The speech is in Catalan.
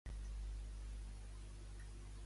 Quin és el nom complet de la Maria Consuelo?